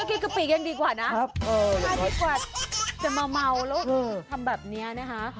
กินกะปิยังดีกว่านะดีกว่าจะมาเมาแล้วทำแบบนี้นะคะ